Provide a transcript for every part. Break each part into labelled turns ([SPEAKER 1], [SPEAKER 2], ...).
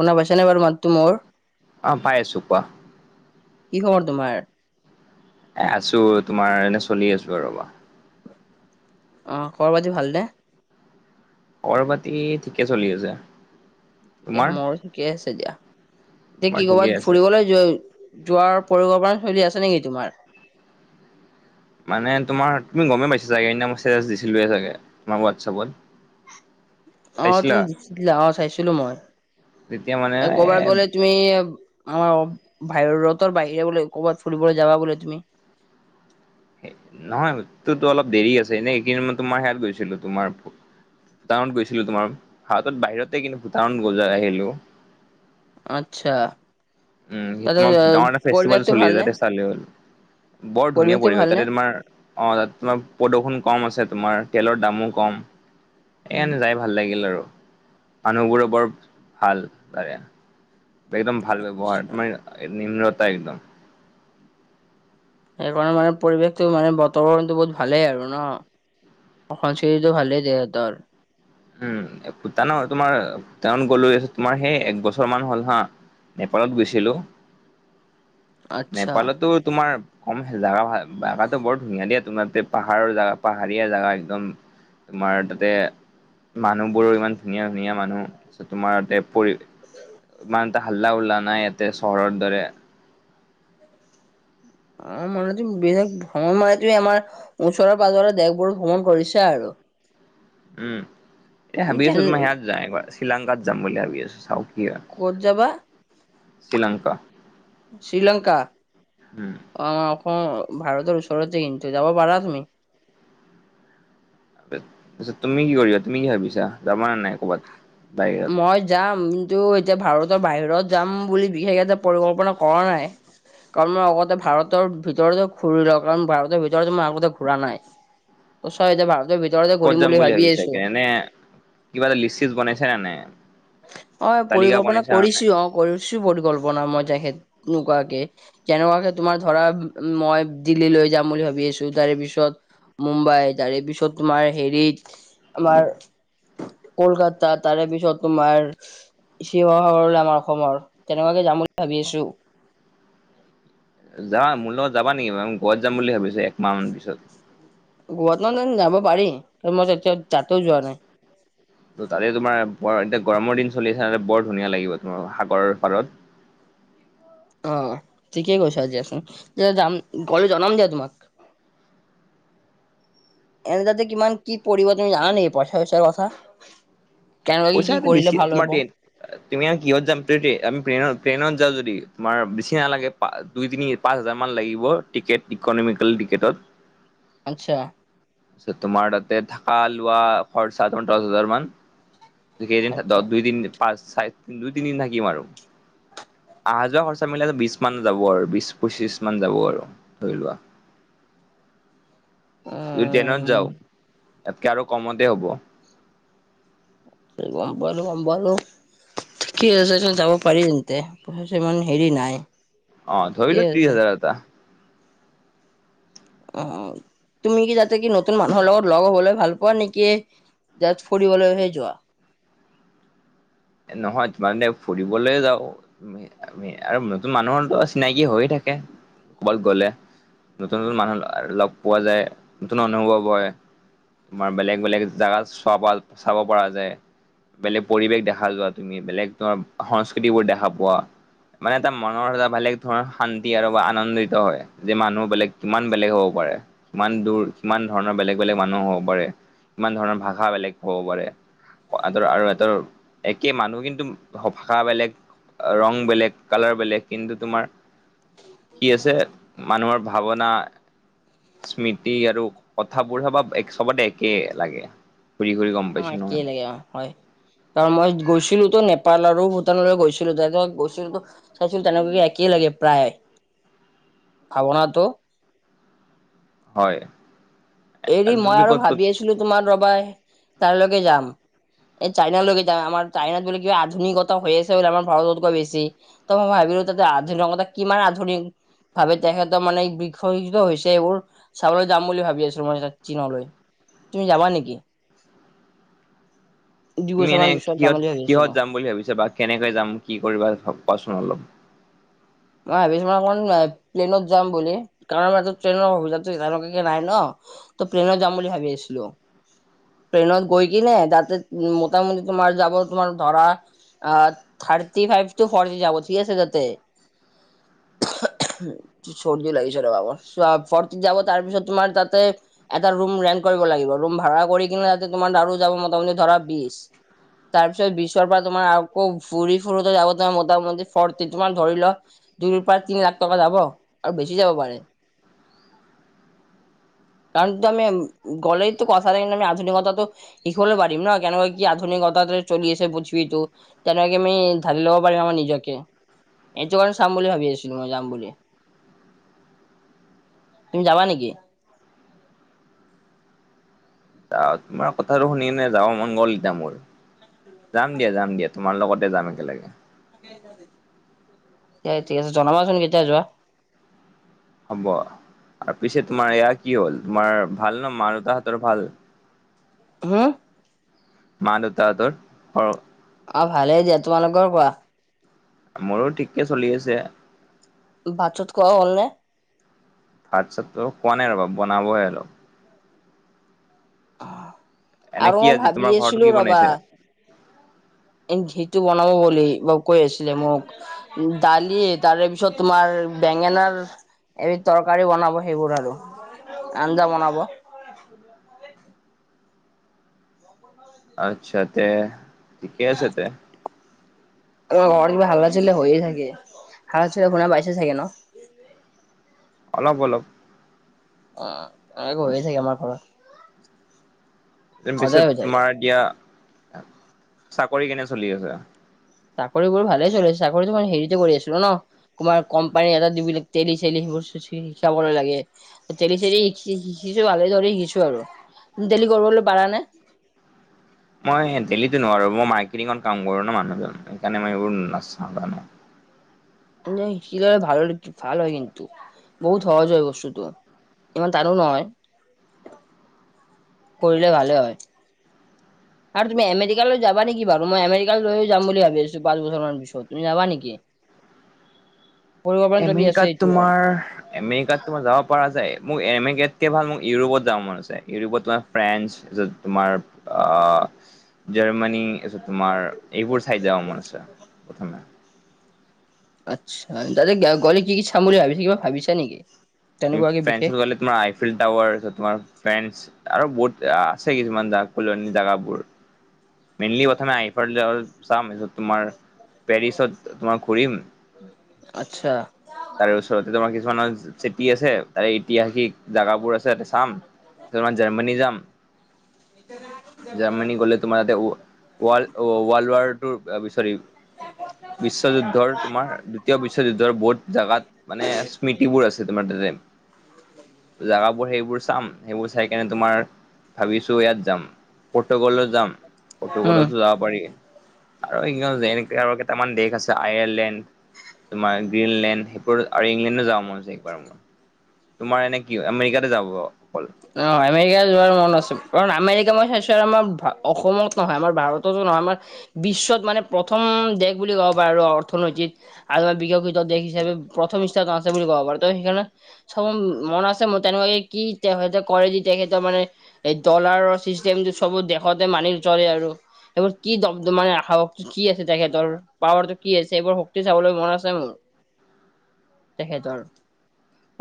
[SPEAKER 1] শুনা পাইছানে বাৰু মাততো মোৰ?
[SPEAKER 2] অ পাইছো কোৱা?
[SPEAKER 1] কি খবৰ তোমাৰ?
[SPEAKER 2] এ আছো তোমাৰ এনে চলি আছো ৰ ৰবা।
[SPEAKER 1] অ খ'ৰ পাতি ভাল দে।
[SPEAKER 2] অৰ বাতি ঠিকে চলি আছে।
[SPEAKER 1] ঠিক
[SPEAKER 2] তোমাৰ
[SPEAKER 1] আছে মোৰো ঠিকে আছে দিয়া। এতিয়া
[SPEAKER 2] তোমাৰ
[SPEAKER 1] কি
[SPEAKER 2] ঠিকে
[SPEAKER 1] কৰ'ৰবাত
[SPEAKER 2] আছে
[SPEAKER 1] ফুৰিবলৈ জৈয় যোৱাৰ পৰিকল্পনা চলী আছে নেকি তোমাৰ?
[SPEAKER 2] মানে তোমাৰ তুমি গমেই পাইছা চাগেইনা মই মেছেজ দিছিলো চাগে তোমাৰ হোৱাটছাপত। [inaudible]
[SPEAKER 1] অ তুমি জিছিলা অ চাইছিলো মই,
[SPEAKER 2] তেতিয়া মানে
[SPEAKER 1] এ কৰ'বাত গ'লে তুমি আমাৰ ভাইৰতৰ বাহিৰে বোলে ক'ৰবাত ফুৰিবলৈ যাবা বোলে তুমি?
[SPEAKER 2] নহয় টোতো অলপ দেৰি আছে এনেই সেইখিন মই তোমাৰ সেয়াত গৈছিলো তোমাৰ টানত গৈছিলো তোমাৰ ভাৰতত বাহিৰতে কিন্তু ভূটান গ জাই আহিলো।
[SPEAKER 1] আত্চ্ছা।
[SPEAKER 2] উম সেতমত ভুটানৰ এটা ফেষ্টিভেল
[SPEAKER 1] পৰিৱেশটো
[SPEAKER 2] চলি
[SPEAKER 1] ভালনে?
[SPEAKER 2] আছে চালে হ'ল। বৰ ধুনীয়া
[SPEAKER 1] পৰিৱেশটো
[SPEAKER 2] পৰিৱেশ
[SPEAKER 1] ভালনে?
[SPEAKER 2] তাতে তোমাৰ অ তাত তোমাৰ প্ৰদূষণ কম আছে তোমাৰ, তেলৰ দামো কম, এনে যাই ভাল লাগিল আৰু মানুহবোৰো বৰ ভাল তাৰে একদম ভাল ব্যৱহাৰ
[SPEAKER 1] আচ্ছা
[SPEAKER 2] তোমাৰ নিম্নতা একদম।
[SPEAKER 1] সেইকাৰণে মানে পৰিৱেশটো মানে বতাবৰণটো বহুত ভালেই আৰু ন? সংস্কৃতিতটো ভালেই তেহেঁতৰ।
[SPEAKER 2] উম ভূটানৰ তোমাৰ গলৱেছ তোমাৰ সেই এক বছৰ মান হ'ল হা নেপালত গৈছিলোঁ।
[SPEAKER 1] আচ্ছা।
[SPEAKER 2] নেপালতো তোমাৰ কম জাগা জাগা বৰ ধুনীয়া দিয়াত। তোমাৰ তে পাহাৰৰ জগা পাহাৰীয়া জোগা একদম তোমাৰ তাতে মানুহ বোৰো ইমান ধুনীয়া ধুনীয়া মানুহ তোমাৰ ততে পৰিশ ইমান টা হাল্লা- উল্লা নাই ইয়াতে চহৰৰ দৰে
[SPEAKER 1] অ মনত বেলেগ ভ্ৰঙৰ মৰাটোৱে আমাৰ ওচৰৰ পাজৰে দেশবোৰ ভ্ৰমণ কৰিছে আৰু।
[SPEAKER 2] উম এ
[SPEAKER 1] তুমি
[SPEAKER 2] ভাবি
[SPEAKER 1] তেন
[SPEAKER 2] আছো তোমাই সেয়াত যায়ঙৰ শ্ৰীলংকাত যাম বুলি ভাবি আছো চাও কি হয়।
[SPEAKER 1] ক'ত যাবা?
[SPEAKER 2] শ্ৰীলংকা।
[SPEAKER 1] শ্ৰীলংকা
[SPEAKER 2] উম
[SPEAKER 1] আমাৰ অসম ভাৰতৰ ওচৰতে কিন্তু যাব পাৰা তুমি।
[SPEAKER 2] তছত তুমি কি কৰিবা তুমি কি ভাবিছা যাবা নে নাই ক'ৰবাত বাহিৰত।
[SPEAKER 1] মই যাম কিন্তু এতিয়া ভাৰতৰ বাহিৰত যাম বুলি বিশেষ এটা পৰিকল্পনা কৰা নাই। কাৰণ মই আগতে ভাৰতৰ ভিতৰতে ঘূৰি লওঁ কাৰণ ভাৰতৰ ভিতৰ মই আগতে ঘূৰা নাই। ত চই এতিয়া ভাৰতৰ ভিতৰতে
[SPEAKER 2] ক'ত
[SPEAKER 1] ঘূৰিম
[SPEAKER 2] যাম
[SPEAKER 1] বুলি ভাবি
[SPEAKER 2] ভাবিছা
[SPEAKER 1] আছো।
[SPEAKER 2] এতিয়া এনে কিবা এটা লিষ্ট চিষ্ট বনাইছা না নাই?
[SPEAKER 1] অ
[SPEAKER 2] তালিকা
[SPEAKER 1] পৰিকল্পনা
[SPEAKER 2] বনাইছা নে নাই
[SPEAKER 1] কৰিছো অ কৰিছো পৰিকল্পনা মই তেখেত নোকোৱাকে। কেনেকুৱাকে তোমাৰ ধৰা মই দিল্লী লৈ যাম বুলি ভাবি আছো তাৰে পিছত মুম্বাই তাৰে পিছত তোমাৰ হেৰিত, আমাৰ কলকাতা তাৰে পিছত তোমাৰ শিৱসাগৰ হ'ল আমাৰ অসমৰ তেনেকুৱাকে যাম বুলি ভাবি আছোঁ।
[SPEAKER 2] যাবা মোৰ লগত যাবা নেকি গৱাত যাম বুলি ভাবিছো একমাহ মান পিছত।
[SPEAKER 1] গৱাত ন ন যাব পাৰি মই তেতিয়া তাতেও যোৱা নাই।
[SPEAKER 2] [inaudible] ত তাৰে তোমাৰ বৰ এতিয়া গৰমৰ দিন চলি আছে বৰ ধুনীয়া লাগিব তোমাৰ সাগৰ পাৰত।
[SPEAKER 1] অ ঠিকেই কৈছা দিয়া চোন, যাম গলে জনাম দিয়া তোমাক। এনে তাতে কিমান কি পৰিব তুমি জানা নেকি পইচা পইচাৰ কথা কেনে লাগি
[SPEAKER 2] পইচা
[SPEAKER 1] কি
[SPEAKER 2] পাতি বেছি
[SPEAKER 1] কৰিলে ভাল
[SPEAKER 2] তোমাৰ
[SPEAKER 1] হ'ব।
[SPEAKER 2] ট্ৰেইন তুমি আও কিহত তেদি আমি টেইনত ট্ৰেইনত যাও যদি তোমাৰ বেছি নালাগে দুই তিনি পাঁচ হাজাৰ মান লাগিব টিকেট ইকনমিকেলি টিকেটত
[SPEAKER 1] আচ্ছা
[SPEAKER 2] তাৰপাছত তোমাৰ তাতে ধাকা লোৱা খৰচাত দশ হাজাৰ মান ত কেইদিন
[SPEAKER 1] আচ্ছা
[SPEAKER 2] দহ, দুই দিন, পাঁচ চাৰে দুই তিনি দিন থাকি আৰু আহা যোৱা খৰচা মিলায় বিশ মান যাব আৰু বিশ পঁচিশ মান যাব আৰু ধৰি লোৱা
[SPEAKER 1] উম
[SPEAKER 2] যদি ট্ৰেনত যাও ইয়াতকে আৰু কমতে হ'ব
[SPEAKER 1] গম পালোঁ গম পালোঁ ঠিকেইে আছে যাব পাৰি তেন্তে পইচা চইচা ইমান হেৰি নাই
[SPEAKER 2] অ ধৰি
[SPEAKER 1] ঠিকেই
[SPEAKER 2] লোৱা তিছ
[SPEAKER 1] আছে
[SPEAKER 2] হাজাৰ এটা
[SPEAKER 1] অ তুমি কি যাতে কি নতুন মানুহৰ লগত লগ হবলৈ ভাল পোৱা নেকি? যষ্ট ফুৰিবলৈ হৈ যোৱা
[SPEAKER 2] নহয় মানে ফুৰিবলে যাওঁ আমি আৰু নতুন মানুহৰ ত চিনাকি হৈয়ে থাকে ক'বাত গ'লে। নতুন নতুন মানুহ লগ পোৱা যায় নতুন অনুভৱ হয় তোমাৰ বেলেগ বেলেগ জেগাত চোৱা পাল চাব পৰা যে বেলেগ পৰিৱেশ দেখা ভাল লোৱা তুমি বেলেগ ধৰ সংস্কৃতিবোৰ দেখা পোৱা মানে এটা মনৰ এটা বেলেগ ধৰণৰ শান্তি আৰু বা আনন্দিত হয় যে মানুহ বেলেগ কিমান বেলেগ হ'ব পাৰে। ইমান দূৰ সিমান ধৰণৰ বেলেগ বেলেগ মানুহ হ'ব পাৰে সমান ধৰণৰ ভাষা বেলেগ হ'ব পাৰে। আৰু ধৰা আৰু ইহঁতৰ একে মানুহ কিন্তু ভাষা বেলেগ ৰং বেলেগ কালাৰ বেলেগ কিন্তু তোমাৰ কি আছে মানুহৰ ভাৱনা স্মৃতি আৰু কথাবোৰ সবা এক সবতে একে লাগে ঘূৰি - ঘূৰি গম পাইছো নহয়।
[SPEAKER 1] ইয় হয়। কাৰণ মই গৈছিলো তো নেপাল আৰু ভূটানলৈ গৈছিলো ত এজন গৈছিলোত চাইছিল তেনেকুৱাকে একেই লাগে প্ৰায় ভাৱনাটো
[SPEAKER 2] হয়
[SPEAKER 1] এৰি মই
[SPEAKER 2] তুমি
[SPEAKER 1] আৰু
[SPEAKER 2] ক'ত ক'ত
[SPEAKER 1] ভাবি আছিলো তোমাৰ ৰবাই তাৰলৈকে যাম এই চাইনালৈকে যাম আমাৰ চাইনাত বুলি কিবা আধুনিকতা হৈ আছে বুলি আমাৰ ভাৰতকৈ বেছি ত মই ভাবিলো ত আধুনিকতা কিমান আধুনিক ভাবে তেখেতৰ মানে বৃক্ষ শিক্ষ হৈছে এইবোৰ চাবলৈ যাম বুলি ভাবি আ ছো মই চীনলৈ তুমি যাবা নেকি? দুই
[SPEAKER 2] তুমি
[SPEAKER 1] বছৰ
[SPEAKER 2] এনে
[SPEAKER 1] মান পিছত যাম
[SPEAKER 2] কিহত
[SPEAKER 1] বুলি ভাবি
[SPEAKER 2] - কিহত
[SPEAKER 1] আছিলো
[SPEAKER 2] যাম বুলি ভাবিছা বা কেনেকে যাম কি কৰিবা কোৱাচোন অলপ।
[SPEAKER 1] মই ভাবিছো মই অকণ প্লেনত যাম বুলি কাৰণ ট্ৰেইনৰ সুবিধাটো তেনেকুৱাকে নাই ন। ত প্লেনত যাম বুলি ভাবি আছিলো ট্ৰনত গৈ কি যাতে মোটামুটি তোমাৰ যাব তোমাৰ ধৰা। অ, থাৰ্টি ফাইভ টু ফৰ যাব ঠিক আছে তাতে। চৰ্দি লাগিছে ৰবাবৰ ফৰ্তিত যাব তাৰপিছত তোমাৰ তাতে এটা ৰুম ৰেন্ট কৰিব লাগিব ৰুম ভাড়া কৰি কিনোতো তোমাৰ ধাৰো যাব মোটামুটি ধৰা বিছ তাৰ পিছত বিছৰ পৰা তোমাৰ আকৌ ফুৰি ফুুৰোতে যাব তোমাৰ মোটামুটি ফৰ্তি তোমাৰ ধৰি ল। দুয়ৰ পৰা তিনি লাখ টকা যাব আৰু বেছি যাব পাৰে।
[SPEAKER 2] [inaudible]
[SPEAKER 1] কাৰণ তু আম গলেইতো কথাৰে আমি আধুনিকতাটো দেখিবলে পাৰিম ন কেনেকা কি আধুনিকতাতে চলি আছে বুজবি তো তেনেকে আমি ঢালি ল'ব পাৰিম আমাৰ নিজকে এইটো চাম বুলি ভাবি আছিলো মই যাম বুলি তুমি যাবা নেকি?
[SPEAKER 2] তোমাৰ কথাটো শুনি কিনে যাব মন গ'ল এতিয়া মোৰ। যাম দিয়া, যাম দিয়া তোমাৰ লগতে যাম একেলগে।
[SPEAKER 1] হয় ঠিক আছে জনাবাচোন কেতিয়া যোৱা।
[SPEAKER 2] হ'ব। আৰু পিছে তোমাৰ এয়া কি হ'ল তোমাৰ ভাল ন মা দেউতাহতৰ ভাল?
[SPEAKER 1] হম?
[SPEAKER 2] মা দেউতাহঁতৰ অৰ
[SPEAKER 1] অ, ভালে দিয়া। তোমালোকৰ কোৱা?
[SPEAKER 2] মোৰো ঠিকে চলি আছে।
[SPEAKER 1] তো ভাত চত খোৱা হ'ল নে?
[SPEAKER 2] ভাত চাত ত খোৱা নাই ৰবা বনাবহে অলপ।
[SPEAKER 1] আ
[SPEAKER 2] এনে কি আজি তোমাৰ ঘৰটো কি বনাইছে?
[SPEAKER 1] এন সেইটো বনাব বুলি বাও কৈ আছিলে মোক। দালি তাৰে পিছত তোমাৰ বেঙেনাৰ এবিধ তৰকাৰী বনাব সেইবোৰ আৰু আঞ্জা বনাব। [unintelligible] [unintelligible]
[SPEAKER 2] আচ্ছা তে ঠিকেই আছে তে
[SPEAKER 1] আৰু ঘৰ কিবা হাল্লা চিল্লা হৈয়ে থাকে, হাল্লা চিল্লা শুনা পাইছে চাগে থাকে ন।
[SPEAKER 2] অলপ অলপ।
[SPEAKER 1] অ, এনেকে হৈয়ে থাকে আমাৰ ঘৰত।
[SPEAKER 2] পিছত
[SPEAKER 1] সদায় হৈ থাকে
[SPEAKER 2] তোমাৰ এতিয়া চাকৰি কেনে চলি আছে।
[SPEAKER 1] চাকৰি কৰি ভালেই চলিছে চাকৰিটো হেৰিতে কৰি আছোঁ ন। তোমাৰ কম্পানী এটা দি বুলিক তেলি চেলি সেইবোৰ চি চি শিকাব লাগে। তেলি চেলি শিকি শিকিছো ভালে দৰে শিকিছো আৰু ডেইলি কৰিবলৈ পাৰা নাই।
[SPEAKER 2] মই দেল্লিতো নোৱাৰো মই মাৰ্কেটিঙত কাম কৰো ন মানুহজন সেইকাৰণে মইবোৰ নাচাও তানে।
[SPEAKER 1] মানে শিকি লয় ভাল ভাল হয় কিন্তু। বহুত সহজ হয় বস্তুতটো ইমান টানো নহয়। কৰিলে ভালে হয়। আৰু তুমি আমেৰিকা যাবা নেকি বাৰু মই আমেৰিকালৈ যাম বুলি ভাবিছো পাঁচবছৰ মান পিছত তুমি যাবা নেকি? [inaudible] পৰিকল্পনা চলি আছে
[SPEAKER 2] আমেৰিকাত
[SPEAKER 1] এইটো অ
[SPEAKER 2] তোমাৰ এমেৰিকাত তোমাৰ যাব পৰা যায় মোক এমেৰিকাতকৈ ভাল মোক ইউৰোপত যাওঁ মন আছে ইউৰোপত তোমাৰ ফ্ৰেন্স যত তোমাৰ অহ, জাৰ্মানী। এ ছত তোমাৰ এইবোৰ চাইড যাওঁ মন আছে প্ৰথমে।
[SPEAKER 1] আচ্ছা তাতে গলে কি কি চাম বুলি ভাবিছে কিবা ভাবিছা নেকি?
[SPEAKER 2] তুমি
[SPEAKER 1] তেনেকুৱাকে বিশেষ
[SPEAKER 2] ফ্ৰেনছি কলে তোমাৰ আইফিল্ টাৱাৰ তোমাৰ ফেনছ আৰু বহুত বেয়া আছে কিছুমান কুলনি জেগাবোৰ। মেইনলি কথা নাই আইফাৰ লেয়ালত চাম মেজত তোমাৰ পেৰিচত তোমাৰ ঘূৰিম।
[SPEAKER 1] আত্চ্ছা।
[SPEAKER 2] তাৰে ওচৰতে তোমাৰ কিছুমান চিটি আছে, তাৰে ইতিহাসিক জাগাবোৰ আছে তাতে চাম। তোমাৰ জাৰ্মানী যাম। জাৰ্মানী গলে তোমাৰ তাতে ও ৱাৰ্ল্ড ৱাৰ্ল্ড ৱাডটোৰ চৰি বিশ্বযুদ্ধৰ তোমাৰ দ্বিতীয় বিশ্বযুদ্ধৰ বহুত জোগাত মানে স্মৃতিবোৰ আছে তোমাৰ তাতে। জোগাবোৰ সেইবোৰ চাম সেইবোৰ চাই কেনে তোমাৰ ভাবিছো ইয়াত যাম পৰ্তগলত যাম,
[SPEAKER 1] উম
[SPEAKER 2] পৰ্তগলতো যাব পাৰি। আৰু ই যেনেকে আৰু কেইটামান দেশ আছে আয়াৰলেণ্ড তোমাৰ গ্ৰীণলেণ্ড সেইবোৰ ইংলেণ্ড যাওঁ মন যায় মই তোমাৰ এনে কি আমেৰিকাতে যাব অকল
[SPEAKER 1] অ আমেৰিকা যোৱাৰ মন আছে কাৰণ আমেৰিকা মই চাইছোঁ আৰু আমাৰ অসমত নহয় আমাৰ ভাৰততো নহয় আমাৰ বিশ্বত মানে প্ৰথম দেশ বুলি ক'ব পাৰ আৰু অৰ্থনৈতিত। আৰু বিকশিত দেশ হিচাপে প্ৰথম স্হানত আছে বুলি কব পাৰ ত সেইকাৰণে চ মন আছে ম তেনেকুৱাকে কি হয় তে কৰে যে তেখেতৰ মানে এই ডলাৰৰ চিষ্টেমটো চব দেশতে মানি চলে আৰু এইবোৰ কি দমদমাই আহক কি আছে, তেখেতৰ পাৱাৰ টো কি আছে এইবোৰ হ কি চাবলৈ মন আছে মোৰ তেখেতৰ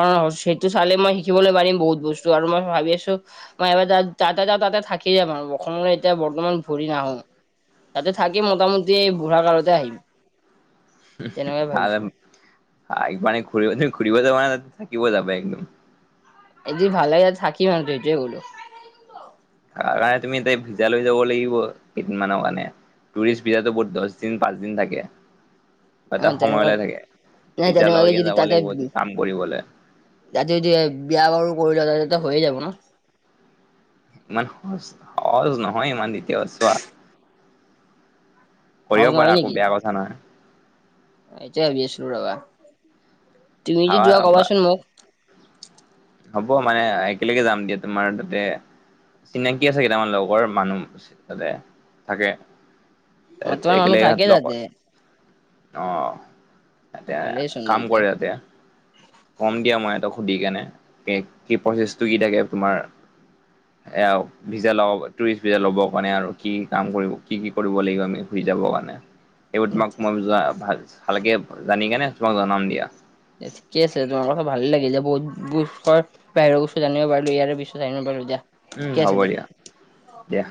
[SPEAKER 1] অ চেইটো চালে মই শিকিবলৈ পাৰিম বহুত বস্তু আৰু মই ভাবি আছোঁ, মই এবাৰ যা তাতে যাওঁ তাতে থাকি যাম আৰু অসমলে এতিয়া বৰ্তমান ঘুৰি নাহো। তাতে থাকি মোটামুটি বুঢ়া কালতে আহিম তেনেকুৱাই ভাবিছো।
[SPEAKER 2] [unintelligible]
[SPEAKER 1] এদিন ভালে থাকিম আৰু সেইটোৱেই কলো।
[SPEAKER 2] ৰাইত তুমি টাইপ ভিজা লৈ যাব লাগিব কেইদিনমানৰ কাৰণে, টুৰিষ্ট বিৰোধ দহদিন পাঁচ দিন লাগে। এটা
[SPEAKER 1] অ', তেনেকুৱা
[SPEAKER 2] সময়লে থাকে
[SPEAKER 1] নাই
[SPEAKER 2] তেতিয়া
[SPEAKER 1] তেনেকুৱাকে
[SPEAKER 2] লৈকে
[SPEAKER 1] যদি
[SPEAKER 2] যাব লাগিব কাম কৰিবলে।
[SPEAKER 1] যাতে যদি বিয়া বাৰু কৰি লওঁ হৈয়ে যাব ন
[SPEAKER 2] ইমান সহজ সহজ নহয় ইমান দিতেল চোৱা
[SPEAKER 1] সহজ
[SPEAKER 2] কৰিব পাৰা আকৌ বেয়া কথা নহয়
[SPEAKER 1] এইটোৱেই ভাবি আছিলোঁ ৰবা তুমি যদি যোৱা
[SPEAKER 2] ভাবা
[SPEAKER 1] কবাচোন মোক
[SPEAKER 2] হ'ব মানে একেলগে যাম দিয়া তোমাৰ তাতে চিনাকি আছে কেইটামান লগৰ মানুহ তাতে থাকে
[SPEAKER 1] তোমাৰ
[SPEAKER 2] এতেকলে
[SPEAKER 1] মানুহ
[SPEAKER 2] ঘাত
[SPEAKER 1] থাকে
[SPEAKER 2] ল ক
[SPEAKER 1] তাতে
[SPEAKER 2] [unintelligible] অ সেতে
[SPEAKER 1] ভালেইচোন
[SPEAKER 2] কাম কৰে
[SPEAKER 1] তেন্তে।
[SPEAKER 2] এতিয়া। কম দিয়া মই ইহঁতক সুধি কেনে কি প্ৰচেছটো কি থাকে তোমাৰ এয়া অফিচেল হওক টুৰিষ্ট ভিজা ল'বৰ কাৰণে আৰু কি কাম কৰিব কি -কি কৰিব লাগিব আমি ঘূৰি যাবৰ কাৰণে। সেইবোৰ তোমাক [unintelligible] ভালকে জানি কেনে তোমাক জনাম দিয়া।
[SPEAKER 1] এ ঠিকে আছে তোমাৰ কথা ভালে লাগে যে বহুত বাহিৰৰ বস্তু জানিব পাৰিলোঁ ইয়াৰে বস্তু জানিব পাৰিলো দিয়া।
[SPEAKER 2] উম,
[SPEAKER 1] ঠিকে আছে
[SPEAKER 2] হ'ব দিয়া -দিয়া।